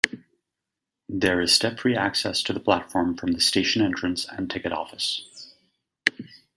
There is step-free access to the platform from the station entrance and ticket office.